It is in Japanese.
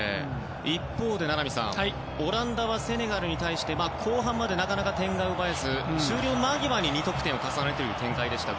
一方で名波さんオランダはセネガルに対して、後半までなかなか点が奪えず終了間際に２得点を重ねたような展開でした。